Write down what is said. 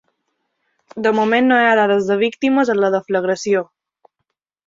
De moment no hi ha dades de víctimes en la deflagració.